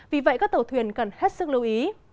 vì vậy các tàu thuyền cần hết sức lưu ý